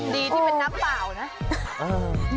ดีที่เป็นน้ำเปล่านะ